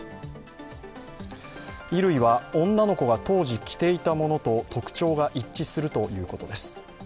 衣類は女の子が当時着ていたものと特徴が一致するということです。